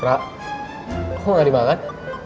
ra kok gak ada yang makan